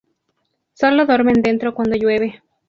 Solo duermen dentro cuando llueve.